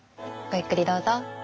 ゆっくりどうぞ。